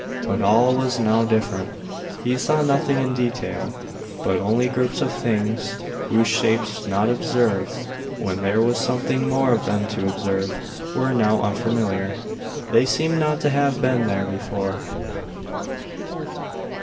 But all was now different; he saw nothing in detail, but only groups of things, whose shapes, not observed when there was something more of them to observe, were now unfamiliar. They seemed not to have been there before.